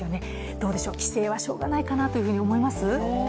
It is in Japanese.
どうでしょう、規制はしようがないかなというふうに思います？